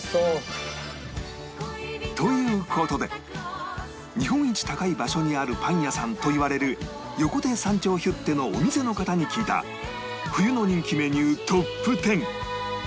という事で日本一高い場所にあるパン屋さんといわれる横手山頂ヒュッテのお店の方に聞いた冬の人気メニュートップ１０